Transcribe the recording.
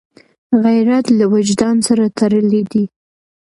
غیرت له وجدان سره تړلی دی